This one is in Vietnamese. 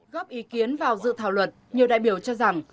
góp ý kiến vào dự thảo luật nhiều đại biểu cho rằng